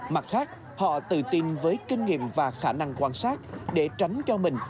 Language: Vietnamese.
mặt khác họ tự tin với kinh nghiệm và khả năng quan sát để tránh cho mình